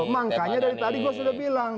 makanya dari tadi gue sudah bilang